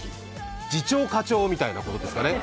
次長課長みたいなものですかね。